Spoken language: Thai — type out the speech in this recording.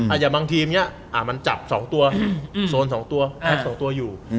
อาหญังบางทีมเนี้ยเออมันจับ๒ตัวโซน๒ตัวพัก๒ตัวอยู่